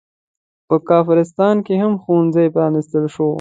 په کافرستان کې هم ښوونځي پرانستل شول.